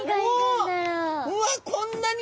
うわっこんなに！